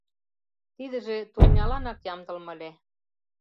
Тидыже турняланак ямдылыме ыле.